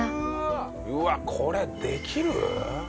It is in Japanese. うわっこれできる？